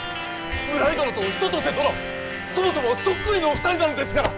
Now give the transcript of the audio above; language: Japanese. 村井殿と春夏秋冬殿そもそもそっくりのお二人なのですから